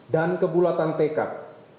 dan kebulatan tekat